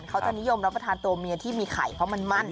เขาจะนิยมรับประทานตัวเมียที่มีไข่เพราะมันมั่น